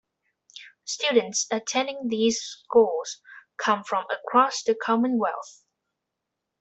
Students attending these schools come from across the commonwealth.